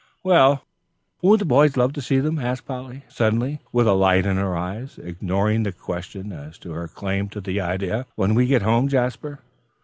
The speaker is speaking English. "Well, won't the boys love to see them," asked Polly, suddenly, with a light in her eyes, ignoring the question as to her claim to the idea, "when we get home, Jasper?"